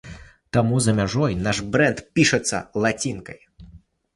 Таму за мяжой наш брэнд пішацца лацінкай.